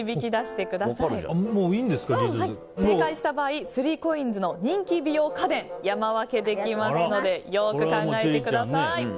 正解した場合３ＣＯＩＮＳの人気美容家電山分けできますのでよく考えてください。